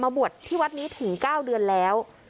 บวชที่วัดนี้ถึง๙เดือนแล้ว